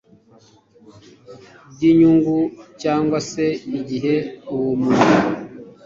ry inyungu cyangwa se igihe uwo muntu